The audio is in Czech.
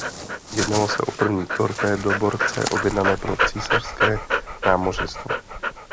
Jednalo se o první torpédoborce objednané pro císařské námořnictvo.